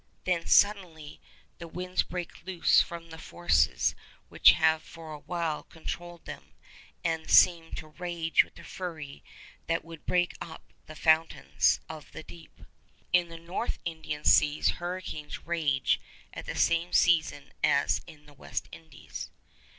Then, suddenly, the winds break loose from the forces which have for a while controlled them, and 'seem to rage with a fury that would break up the fountains of the deep.' In the North Indian seas hurricanes rage at the same season as in the West Indies.